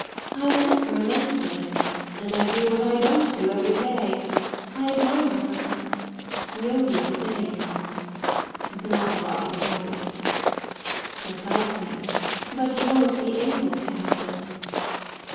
I like her immensely, and I do what I don't do every day I admire her. You'll do the same." "Not if I can help it." "Precisely. But you won't be able to help it."